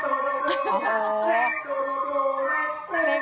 ขนเต็มต้น